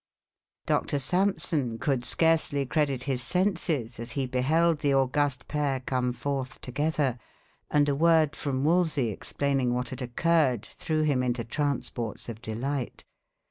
Doctor Sampson could scarcely credit his senses as he beheld the august pair come forth together, and a word from Wolsey explaining what had occurred, threw him into transports of delight.